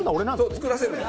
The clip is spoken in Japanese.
そう作らせるの。